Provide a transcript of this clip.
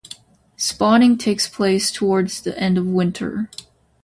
Spawning takes place towards the end of winter.